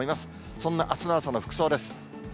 そんなあすの朝の服装です。